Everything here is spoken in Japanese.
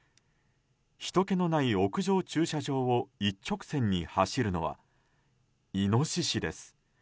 ひとけのない屋上駐車場を一直線に走るのはイノシシです。